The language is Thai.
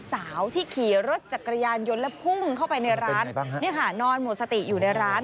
นี่ค่ะนอนหมดสติอยู่ในร้าน